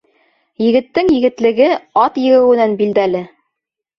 Егеттең егетлеге ат егеүенән билдәле.